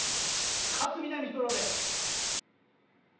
勝みなみプロです。